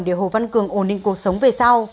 để hồ văn cường ổn định cuộc sống về sau